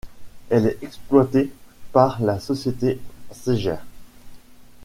Elle est exploitée par la société Sejer.